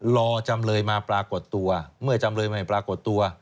จำเลยมาปรากฏตัวเมื่อจำเลยไม่ปรากฏตัว